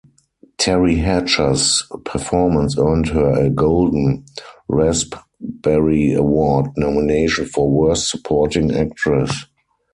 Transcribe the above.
Teri Hatcher's performance earned her a Golden Raspberry Award nomination for Worst Supporting Actress.